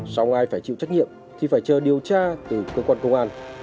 sau ai phải chịu trách nhiệm thì phải chờ điều tra từ cơ quan công an